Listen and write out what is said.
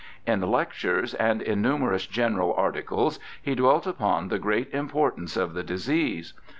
In lec tures and in numerous general articles he dwelt upon the great importance of the disease.